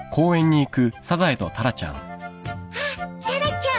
あっタラちゃん。